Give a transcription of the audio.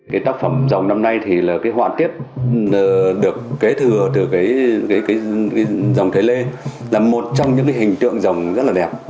cái tác phẩm dòng năm nay thì là cái họa tiết được kế thừa từ cái dòng thái lê là một trong những cái hình tượng dòng rất là đẹp